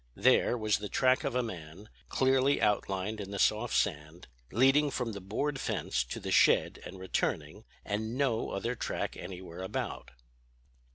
There, was the track of a man, clearly outlined in the soft sand, leading from the board fence to the shed and returning, and no other track anywhere about.